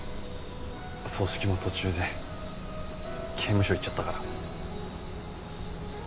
葬式も途中で刑務所行っちゃったから。